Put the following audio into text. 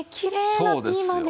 そうですよ。